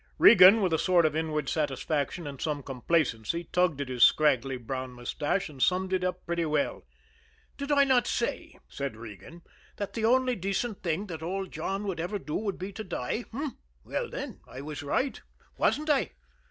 Regan, with a sort of inward satisfaction and some complacency, tugged at his scraggly brown mustache, and summed it up pretty well. "Did I not say," said Regan, "that the only decent thing old John would ever do would be to die? H'm? Well, then, I was right, wasn't I?